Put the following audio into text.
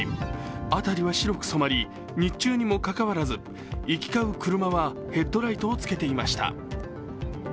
辺りは白く染まり、日中にもかかわらず行き交う車はヘッドライトをつけていました。